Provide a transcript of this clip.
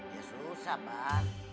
ya susah pak